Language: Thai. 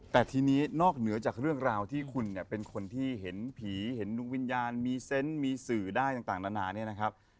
แต่ทีนี้นอกเหนือจากเรื่องราวที่คุณเนี่ยเป็นคนที่เห็นผีเห็นดวงวิญญาณมีเซนต์มีสื่อได้ต่างนานาเนี่ยนะครับ